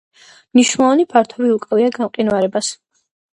მნიშვნელოვანი ფართობი უკავია გამყინვარებას.